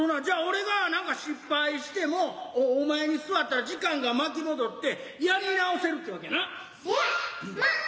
じゃあ俺がなんか失敗してもお前に座ったら時間が巻き戻ってやり直せるってわけやな？